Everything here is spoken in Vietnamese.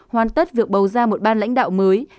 hoàn tất việc bầu ra một ban lãnh đạo mới